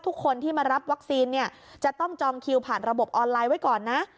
ทุกคนที่มารับวัคซีนเนี่ยจะต้องจองคิวผ่านระบบออนไลน์ไว้ก่อนนะ